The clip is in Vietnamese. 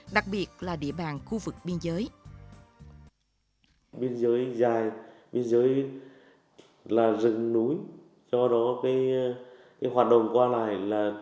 đặc biệt là địa bàn khu vực biên giới